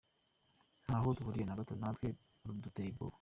Ntaho duhuriye na gato natwe ruduteye ubwoba!